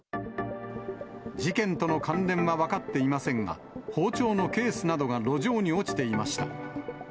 事件と関連は分かっていませんが、包丁のケースなどが路上に落ちていました。